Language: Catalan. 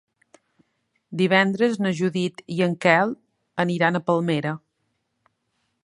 Divendres na Judit i en Quel aniran a Palmera.